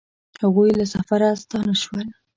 هغوی له سفره ستانه شول